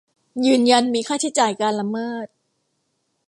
ยืนยันมีค่าใช้จ่ายการละเมิด